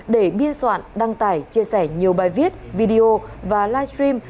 để biên soạn đăng tải chia sẻ nhiều bài viết video và live stream